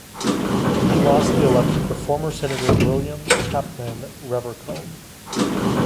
He lost the election to former Senator William Chapman Revercomb.